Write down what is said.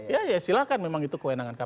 ya ya silahkan memang itu kewenangan kpk